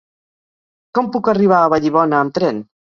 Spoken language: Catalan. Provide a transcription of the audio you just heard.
Com puc arribar a Vallibona amb tren?